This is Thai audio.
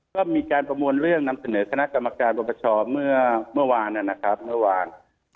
ก็มีการประมวลเรื่องนำเสนอคณะกรรมการประประชาเมื่อวานนะครับเมื่อวาน